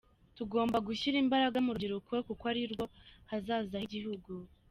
Tugomba gushyira imbaraga mu rubyiruko kuko arirwo hazaza h’igihugu.